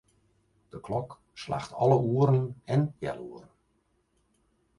De klok slacht alle oeren en healoeren.